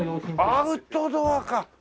アウトドアか！